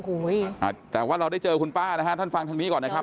โอ้โหอ่าแต่ว่าเราได้เจอคุณป้านะฮะท่านฟังทางนี้ก่อนนะครับ